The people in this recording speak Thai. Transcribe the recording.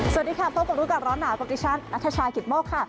สวัสดีค่ะพบกับรู้ก่อนร้อนหนาวกับดิฉันนัทชายกิตโมกค่ะ